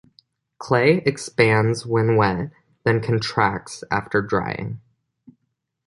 Clay expands when wet, then contracts after drying.